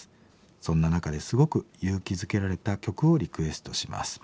そんな中ですごく勇気づけられた曲をリクエストします」。